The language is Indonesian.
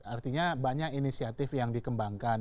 artinya banyak inisiatif yang dikembangkan